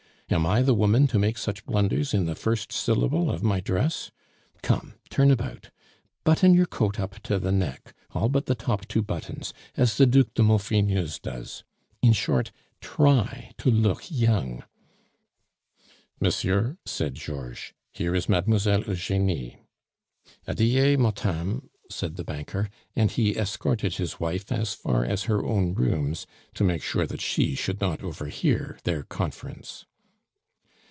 Am I the woman to make such blunders in the first syllable of my dress? Come, turn about. Button your coat up to the neck, all but the two top buttons, as the Duc de Maufrigneuse does. In short, try to look young." "Monsieur," said Georges, "here is Mademoiselle Eugenie." "Adie, motame," said the banker, and he escorted his wife as far as her own rooms, to make sure that she should not overhear their conference.